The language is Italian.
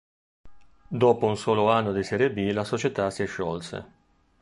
Dopo un solo anno di Serie B la società si sciolse.